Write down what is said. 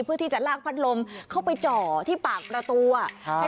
เพื่อที่จะลากพัดลมเข้าไปจ่อที่ปากประตูอ่ะ